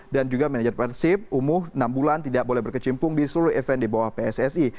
dan juga manajer persib umuh enam bulan tidak boleh berkecimpung di seluruh event di bawah pssi